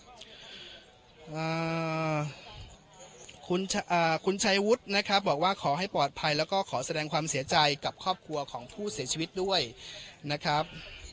อ่าคุณอ่าคุณชัยวุฒินะครับบอกว่าขอให้ปลอดภัยแล้วก็ขอแสดงความเสียใจกับครอบครัวของผู้เสียชีวิตด้วยนะครับ